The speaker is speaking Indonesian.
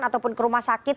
ataupun ke rumah sakit